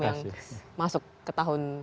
yang masuk ke tahun